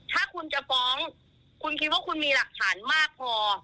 ถ้าคุณจะฟ้องคุณคิดว่าคุณมีหลักฐานมากพอ